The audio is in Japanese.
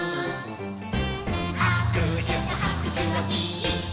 「あくしゅとはくしゅはきっと」